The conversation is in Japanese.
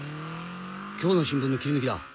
今日の新聞の切り抜きだ。